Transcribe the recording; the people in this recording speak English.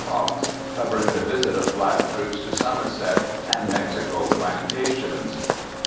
Fox, covering the visit of black troops to Somerset and Mexico Plantations.